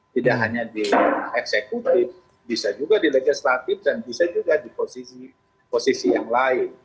tidak hanya di eksekutif bisa juga di legislatif dan bisa juga di posisi posisi yang lain